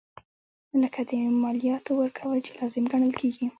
لکه د مالیاتو ورکول چې لازم ګڼل کیږي.